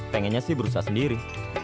pengennya sih berusaha sendiri